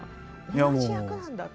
同じ役なんだって？